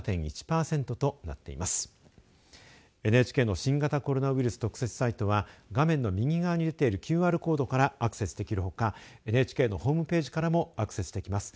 ＮＨＫの新型コロナウイルス特設サイトは画面の右側に出ているＱＲコードからアクセスできるほかＮＨＫのホームページからもアクセスできます。